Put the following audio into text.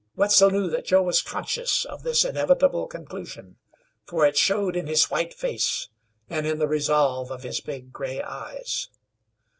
Wetzel knew that Joe was conscious of this inevitable conclusion, for it showed in his white face, and in the resolve in his big, gray eyes.